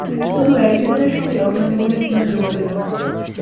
তবু এক জীবনের সঙ্গে অন্য জীবনের কোনো যোগ রইল না।